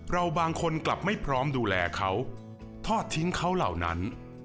เราบางคนกลับไม่พร้อมดูแลเขาทอดทิ้งเขาเหล่านั้น